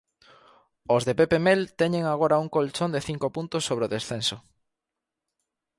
Os de Pepe Mel teñen agora un colchón de cinco puntos sobre o descenso.